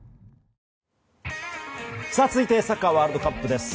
続いて、サッカーワールドカップです。